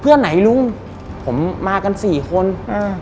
เพื่อนไหนลุงผมมากันสี่คนอ่า